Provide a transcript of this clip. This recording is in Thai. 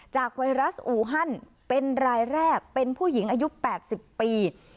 ไวรัสอูฮันเป็นรายแรกเป็นผู้หญิงอายุ๘๐ปี